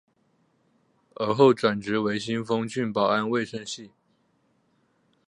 而后转任为新丰郡保安卫生系。